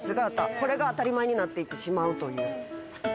これが当たり前になっていってしまうという。